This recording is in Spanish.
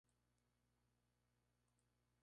Kazuro Watanabe pasó su infancia allí.